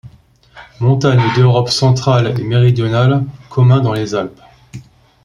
Montagnes d'Europe centrale et méridionale, commun dans les Alpes.